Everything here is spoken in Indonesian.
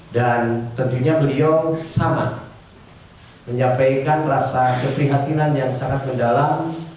dan tentunya beliau sama menyampaikan rasa keprihatinan yang sangat mendalam